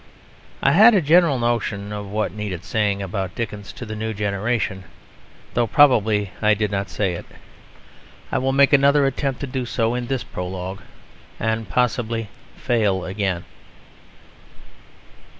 I had a general notion of what needed saying about Dickens to the new generation, though probably I did not say it. I will make another attempt to do so in this prologue, and, possibly fail again.